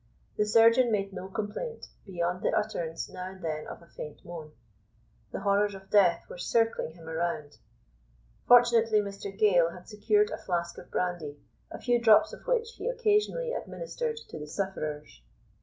The surgeon made no complaint, beyond the utterance now and then of a faint moan. The horrors of death were encircling him around. Fortunately Mr Gale had secured a flask of brandy, a few drops of which he occasionally administered to the sufferers.